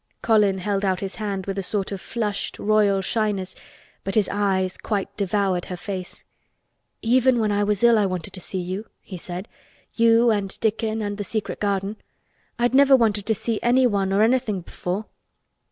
Colin held out his hand with a sort of flushed royal shyness but his eyes quite devoured her face. "Even when I was ill I wanted to see you," he said, "you and Dickon and the secret garden. I'd never wanted to see anyone or anything before."